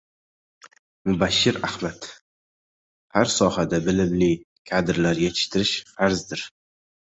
Mubashshir Ahmad: "Har sohada bilimli kadrlar yetishtirish farzdir!"